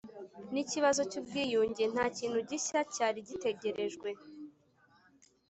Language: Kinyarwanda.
n ikibazo cy ubwiyunge nta kintu gishya cyari gitegerejwe